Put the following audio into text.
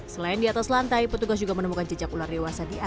selain di atas lantai petugas juga menemukan jejak ular dewasa di atas